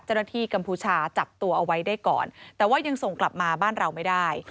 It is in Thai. กัมพูชาจับตัวเอาไว้ได้ก่อนแต่ว่ายังส่งกลับมาบ้านเราไม่ได้